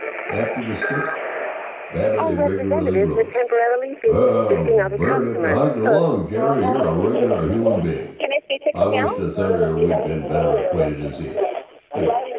After the sixth, Babbitt irregularly arose. "Well, I better be hiking along. Jerry, you're a regular human being! I wish to thunder we'd been better acquainted in Zenith. Lookit.